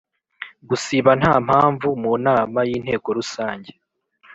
Gusiba ntampamvu munama y inteko rusange